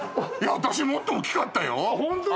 私もっと大きかったよホント？